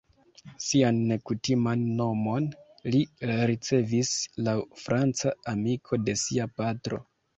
Sian nekutiman nomon li ricevis laŭ franca amiko de sia patro.